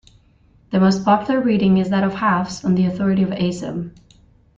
The most popular reading is that of Hafs on the authority of 'asim.